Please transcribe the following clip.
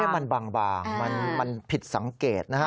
มันบางมันผิดสังเกตนะฮะ